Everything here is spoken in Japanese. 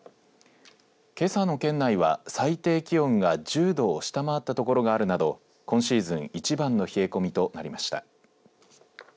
けさの県内は最低気温が１０度を下回ったところがあるなど今シーズン一番の冷え込みとなりました。